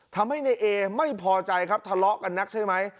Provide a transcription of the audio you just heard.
ทำให้ในเอไม่พอใจครับทะเลาะกันนักใช่ไหม